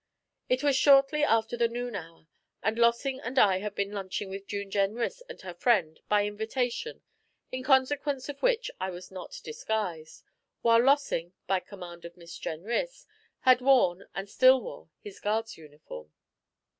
It was shortly after the noon hour, and Lossing and I had been lunching with June Jenrys and her friend, by invitation, in consequence of which I was not disguised, while Lossing, by command of Miss Jenrys, had worn and still wore his guard's uniform.